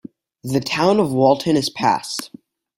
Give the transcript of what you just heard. The town of Walton is passed.